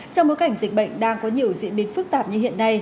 trong bối cảnh dịch bệnh đang có nhiều diễn biến phức tạp như hiện nay